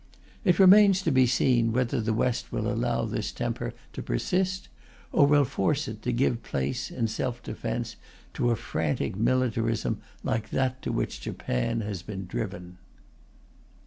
It remains to be seen whether the West will allow this temper to persist, or will force it to give place, in self defence, to a frantic militarism like that to which Japan has been driven.